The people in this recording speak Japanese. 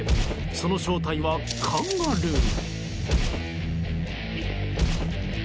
その正体はカンガルー。